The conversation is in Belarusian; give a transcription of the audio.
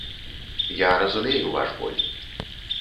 Я разумею ваш боль.